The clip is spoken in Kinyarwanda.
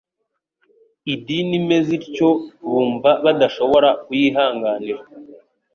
idini imeze ityo bumva badashobora kuyihanganira.